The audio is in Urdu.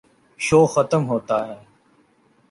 شو ختم ہوتا ہے۔